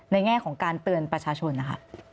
แง่ของการเตือนประชาชนนะคะ